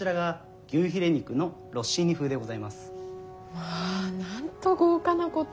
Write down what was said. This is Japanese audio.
まぁなんと豪華なこと。